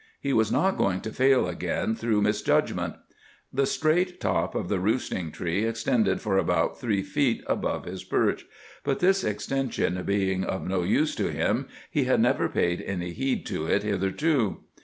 He was not going to fail again through misjudgment. The straight top of the roosting tree extended for about three feet above his perch, but this extension being of no use to him, he had never paid any heed to it hitherto.